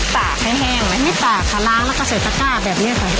ตากให้แห้งไม่ตากค่ะล้างแล้วก็เสร็จกระกาศแบบนี้ให้ค่ะ